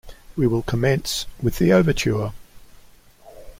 We will commence with the overture.